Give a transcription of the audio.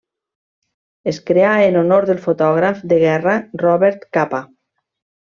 Es creà en honor del fotògraf de guerra Robert Capa.